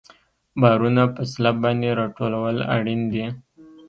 بارونه په سلب باندې راټولول اړین دي